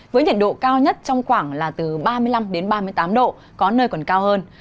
với nhiệt độ cao nhất trong khoảng là từ ba mươi năm ba mươi tám độ có nơi còn cao hơn